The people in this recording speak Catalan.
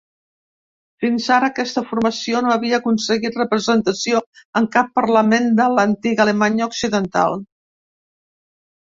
Fins ara, aquesta formació no havia aconseguit representació en cap parlament de l'antiga Alemanya Occidental.